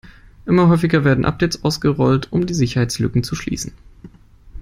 Immer häufiger werden Updates ausgerollt, um die Sicherheitslücken zu schließen.